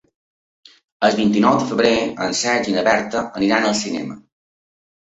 El vint-i-nou de febrer en Sergi i na Berta aniran al cinema.